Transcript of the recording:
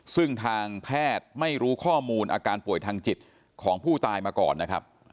ซึ่งทางแพทย์ไม่รู้ข้อมูลอาการป่วยทางจิตของผู้ตายมาก่อนนะครับ